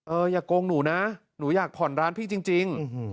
อย่าโกงหนูนะหนูอยากผ่อนร้านพี่จริง